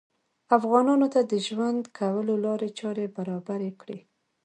افغانانو ته د ژوند کولو لارې چارې برابرې کړې